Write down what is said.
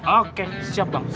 oke siap bang